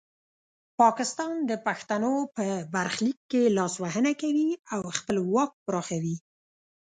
پاکستان د پښتنو په برخلیک کې لاسوهنه کوي او خپل واک پراخوي.